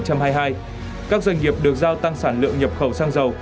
các doanh nghiệp được giao tăng sản lượng nhập khẩu xăng dầu